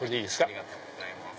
ありがとうございます。